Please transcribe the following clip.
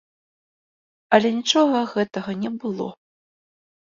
Але нічога гэтага не было.